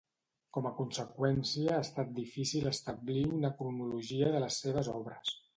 Com a conseqüència ha estat difícil establir una cronologia de les seues obres.